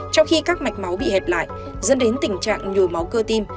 trong khi các mạch máu bị hẹp lại dẫn đến tình trạng nhồi máu cơ tim